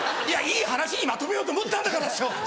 いやいい話にまとめようと思ったんだから師匠！